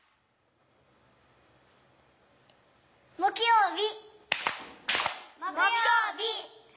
「もくようび」。